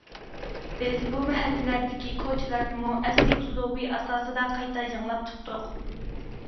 بىز بۇ مەھەللىلەردىكى كوچىلارنىمۇ ئەسلىي ئۇسلۇبى ئاساسىدا قايتا يېڭىلاپ چىقتۇق.